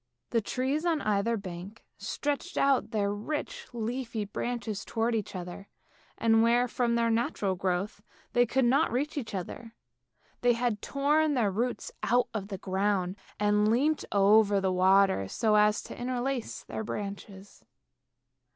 The trees on either bank stretched out their rich leafy branches towards each other, and where, from their natural growth, they could not reach each other, they had torn their roots out of the ground, and leant over the water so as to interlace their branches.